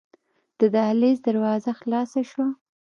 د دهلېز دروازه خلاصه شوه.